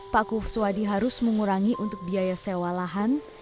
pak kuswadi harus mengurangi untuk biaya sewa lahan